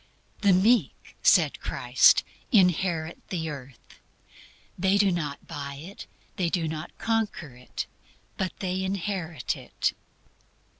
"The meek," said Christ, "inherit the earth." They do not buy it; they do not conquer it; but they inherit it.